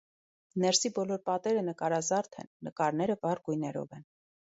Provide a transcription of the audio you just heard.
Ներսի բոլոր պատերը նկարազարդ են, նկարները վառ գույներով են։